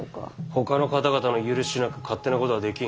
ほかの方々の許しなく勝手なことはできん。